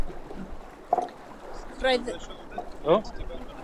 Roedd effeithiau tymor hir y pla ar hanes Ewropeaidd a Christnogol yn enfawr.